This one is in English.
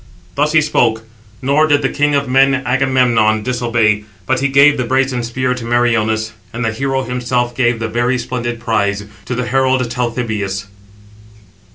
Thus he spoke; nor did the king of men, Agamemnon, disobey; but he gave the brazen spear to Meriones; and the hero himself gave the very splendid prize to the herald Talthybius.